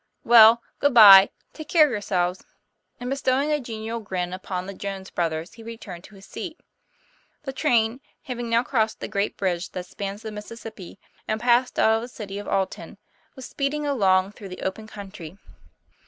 "Well, good by; take care of yourselves." And bestowing a genial grin upon the Jones brothers he returned to his seat. The train, having now crossed the great bridge that spans the Mississippi and passed out of the city of Alton, was speeding along through the open country.